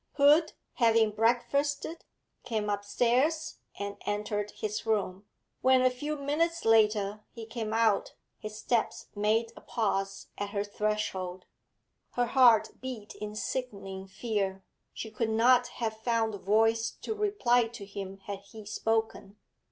Hood, having breakfasted, came upstairs and entered his room; when, a few minutes later, he came out, his steps made a pause at her threshold. Her heart beat in sickening fear; she could not have found voice to reply to him had he spoken.